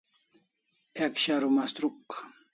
Ek sharu mastruk